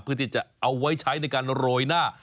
เพื่อที่จะเอาไว้ใช้ในการโรยหน้า